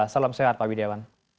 salam sehat pak widjawan